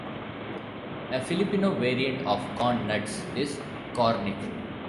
A Filipino variant of corn nuts is "cornick".